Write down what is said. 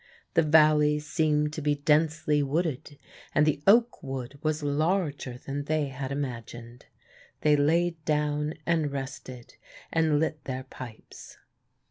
The valleys seemed to be densely wooded, and the oak wood was larger than they had imagined. They laid down and rested and lit their pipes.